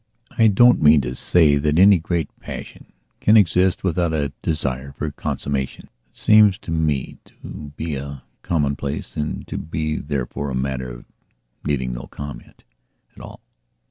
I don't mean to say that any great passion can exist without a desire for consummation. That seems to me to be a commonplace and to be therefore a matter needing no comment at all.